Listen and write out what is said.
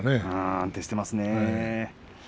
安定していますね。